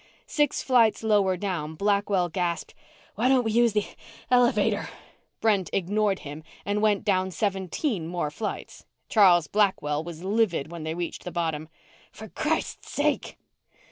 Six flights lower down, Blackwell gasped, "Why don't we use the el elevator?" Brent ignored him and went down seventeen more flights. Charles Blackwell was livid when they reached the bottom. "For Christ sake